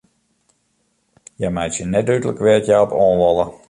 Hja meitsje net dúdlik wêr't hja op oan wolle.